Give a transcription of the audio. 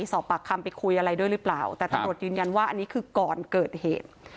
สอบปากคำไปคุยอะไรด้วยหรือเปล่าแต่ตำรวจยืนยันว่าอันนี้คือก่อนเกิดเหตุ